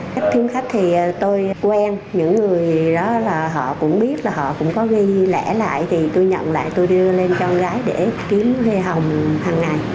các thương khách thì tôi quen những người đó là họ cũng biết là họ cũng có ghi lẽ lại thì tôi nhận lại tôi đưa lên cho con gái để kiếm lê hồng hằng ngày